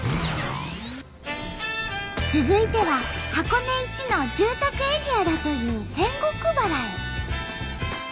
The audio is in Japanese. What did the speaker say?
続いては箱根一の住宅エリアだという仙石原へ。